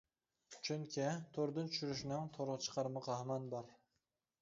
چۈنكى: توردىن چۈشۈرۈشنىڭ تورغا چىقارمىقى ھامان بار.